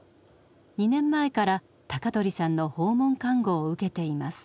２年前から高取さんの訪問看護を受けています。